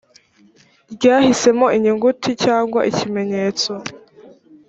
ryahisemo inyuguti cyangwa ikimenyetso